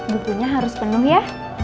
bukunya harus penuh ya